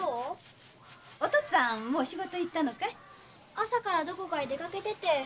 朝からどこかへ出かけてて。